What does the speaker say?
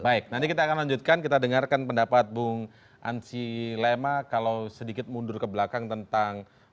baik nanti kita akan lanjutkan kita dengarkan pendapat bung ansi lema kalau sedikit mundur ke belakang tentang